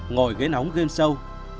ngồi ghế nóng game show